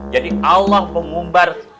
jadi allah mengumbar